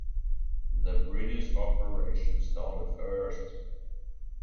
The British operation started first.